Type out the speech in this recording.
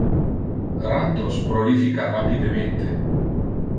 Rattos prolifica rapidemente.